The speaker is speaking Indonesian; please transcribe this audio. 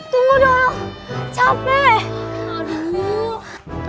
tunggu dong capek